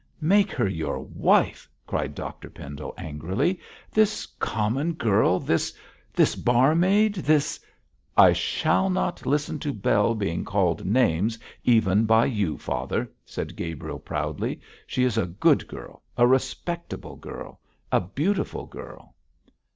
'Make her your wife!' cried Dr Pendle, angrily; 'this common girl this this barmaid this ' 'I shall not listen to Bell being called names even by you, father,' said Gabriel, proudly. 'She is a good girl, a respectable girl a beautiful girl!'